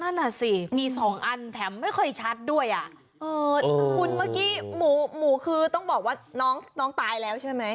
นั่นอ่ะสิมีสองอันแถมไม่ค่อยชัดด้วยอ่ะเออคุณเมื่อกี้หมูหมูคือต้องบอกว่าน้องน้องตายแล้วใช่ไหม